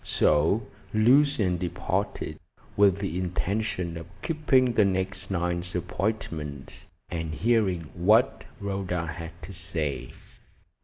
So Lucian departed, with the intention of keeping the next night's appointment, and hearing what Rhoda had to say.